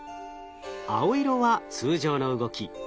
青色は通常の動き。